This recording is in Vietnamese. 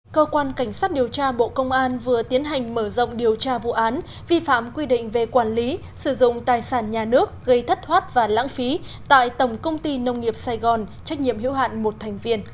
cơ quan cảnh sát điều tra bộ công an vừa tiến hành mở rộng điều tra vụ án vi phạm quy định về quản lý sử dụng tài sản nhà nước gây thất thoát và lãng phí tại tổng công ty nông nghiệp sài gòn trách nhiệm hiếu hạn một thành viên